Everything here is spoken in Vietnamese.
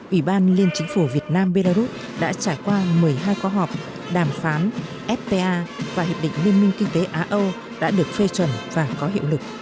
ủy ban liên chính phủ việt nam belarus đã trải qua một mươi hai khóa học đàm phán fta và hiệp định liên minh kinh tế á âu đã được phê chuẩn và có hiệu lực